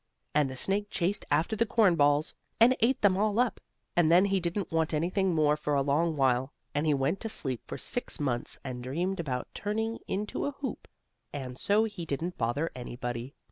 And the snake chased after the corn balls and ate them all up, and then he didn't want anything more for a long while, and he went to sleep for six months and dreamed about turning into a hoop, and so he didn't bother anybody.